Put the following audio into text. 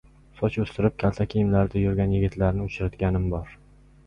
Soch o‘stirib, kalta kiyimlarda yurgan yigitlarni uchratganim bor